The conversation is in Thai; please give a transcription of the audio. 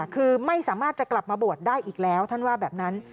คือไม่สามารถจะกลับมาบวชได้อีกแล้วท่านว่าแบบนั้น